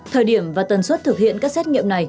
thời điểm và tần suất thực hiện các xét nghiệm này